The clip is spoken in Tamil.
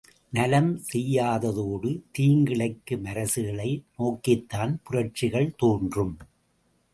நலம் செய்யாததோடு தீங்கிழைக்கும் அரசுகளை நோக்கித்தான் புரட்சிகள் தோன்றும்.